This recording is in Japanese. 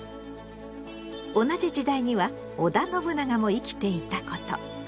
同じ時代には織田信長も生きていたこと。